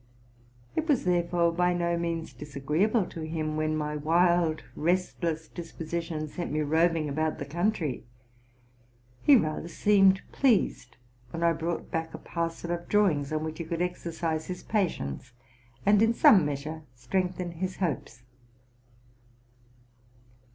It was, there fore, by no means disagreeable to him when my wild, restless disposition sent me roving about the country: he rather seemed pleased when I brought back a parcel of drawings on which he could exercise his patience, and in some measure strengthen his hopes.